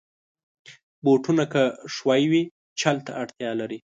بوټونه که ښوی وي، چل ته اړتیا لري.